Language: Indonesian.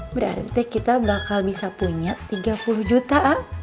berarti kita bakal bisa punya tiga puluh jutaan